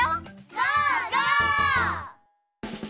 ゴー！